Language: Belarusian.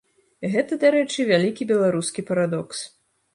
Гэта, дарэчы, вялікі беларускі парадокс.